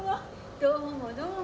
どうもどうも。